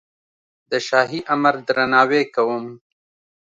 د شاهي امر درناوی کوم.